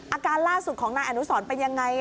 อาการล่าสุดของนายอนุสรเป็นยังไง